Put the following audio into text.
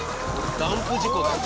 ダンプ事故だよ。